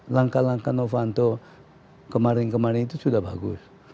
langkah langkah novanto kemarin kemarin itu sudah bagus